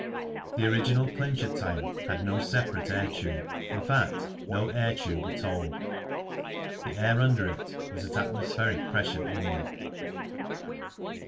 The original Clincher tyre had no separate air tube, in fact no air tube at all ; the air under it was at atmospheric pressure only.